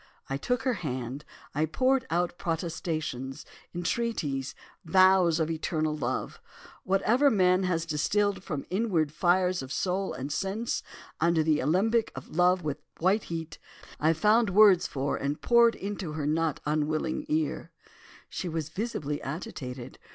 I took her hand, I poured out protestations, entreaties, vows of eternal love; whatever man has distilled from the inward fires of soul and sense, under the alembic of love at white heat, I found words for and poured into her not unwilling ear. "She was visibly agitated.